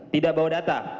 tidak bawa data